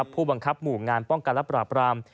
ผู้บังคับหมู่งานป้องกันและปราบราม